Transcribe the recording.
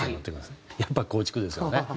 やっぱり構築ですよね。